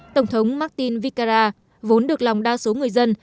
tổng thống martin vikara vốn được lòng đa số người dân